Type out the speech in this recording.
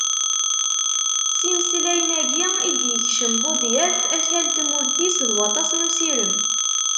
S yimeslayen-agi i d-yekcem Budyaf akal n tmurt-is d waṭas n usirem.